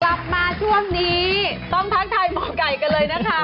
กลับมาช่วงนี้ต้องทักทายหมอไก่กันเลยนะคะ